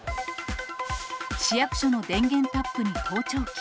市役所の電源タップに盗聴器。